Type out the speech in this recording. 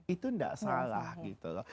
itu tidak salah gitu loh